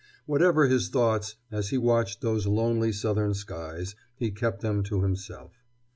Whatever his thoughts, as he watched those lonely Southern skies, he kept them to himself.